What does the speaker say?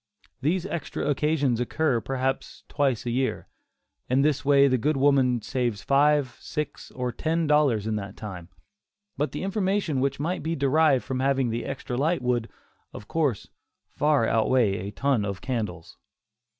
These extra occasions occur, perhaps, twice a year. In this way the good woman saves five, six, or ten dollars in that time; but the information which might be derived from having the extra light would, of course, far outweigh a ton of candles.